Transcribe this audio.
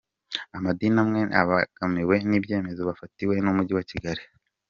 Amadini amwe abangamiwe n’icyemezo bafatiwe n’Umujyi wa Kigali